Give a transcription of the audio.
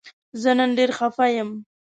زه نن ډیر خفه یم